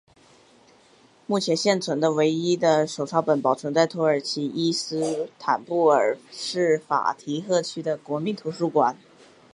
目前现存唯一的手抄本保存在土耳其伊斯坦布尔市法提赫区的国民图书馆。